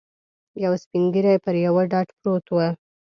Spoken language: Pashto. یو سپین ږیری پر یوه ډډه پروت و.